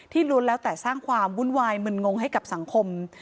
ล้วนแล้วแต่สร้างความวุ่นวายมึนงงให้กับสังคม